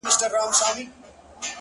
• جاله وان ورباندي ږغ کړل ملاجانه ,